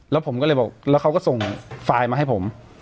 แล้วผมก็เลยบอกแล้วเขาก็ส่งไฟล์มาให้ผม